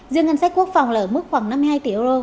riêng ngân sách quốc phòng là ở mức khoảng năm mươi hai tỷ euro